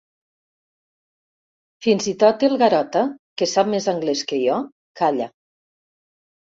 Fins i tot el Garota, que sap més anglès que jo, calla.